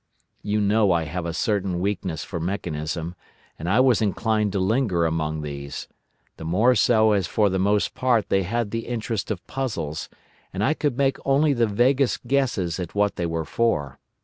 You know I have a certain weakness for mechanism, and I was inclined to linger among these; the more so as for the most part they had the interest of puzzles, and I could make only the vaguest guesses at what they were for.